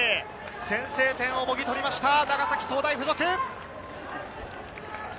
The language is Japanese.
先制点をもぎとりました長崎総大附属。